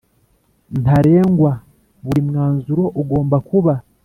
Ntarengwa buri mwanzuro ugomba kuba